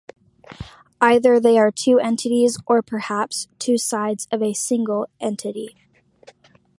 Either they are two entities, or perhaps, two sides of a single entity.